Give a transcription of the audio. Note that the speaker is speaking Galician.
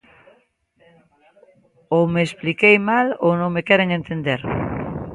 Ou me expliquei mal ou non me queren entender.